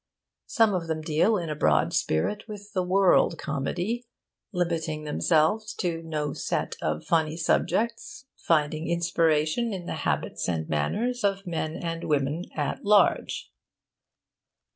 Some of them deal in a broad spirit with the world comedy, limiting themselves to no set of funny subjects, finding inspiration in the habits and manners of men and women at large.